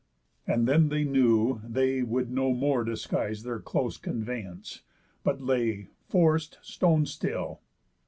And then they knew, they would no more disguise Their close conveyance, but lay, forc'd, stone still.